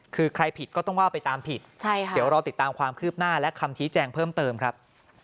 คือใครผิดก็ต้องว่าไปตามผิดเดี๋ยวรอติดตามความคืบหน้าและคำชี้แจงเพิ่มเติมครับ